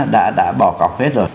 đã bỏ cọc hết rồi